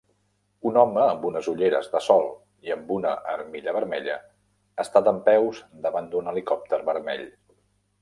Un home amb unes ulleres de sol i amb una armilla vermella està dempeus davant d'un helicòpter vermell.